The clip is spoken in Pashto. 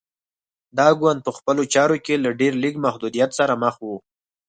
دا ګوند په خپلو چارو کې له ډېر لږ محدودیت سره مخ و.